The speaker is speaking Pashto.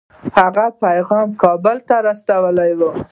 هغه پیغام کابل ته رسولی وو.